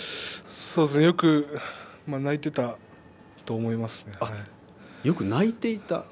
よく泣いていたと思います。